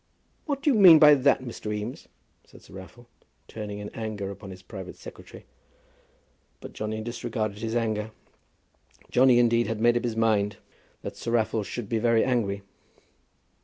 "What do you mean by that, Mr. Eames?" said Sir Raffle, turning in anger upon his private secretary. But Johnny disregarded his anger. Johnny, indeed, had made up his mind that Sir Raffle should be very angry.